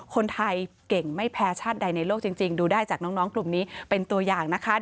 คนไทยเก่งไม่แพ้ชาติใดในโลกจริงดูได้จากน้องกลุ่มนี้เป็นตัวอย่างนะคะ